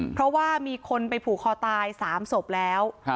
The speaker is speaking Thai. เพราะว่ามีคนไปผูกคอตาย๓ศพแล้ว